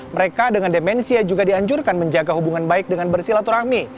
mereka dengan demensia juga dianjurkan menjaga hubungan baik dengan bersih latur rahmi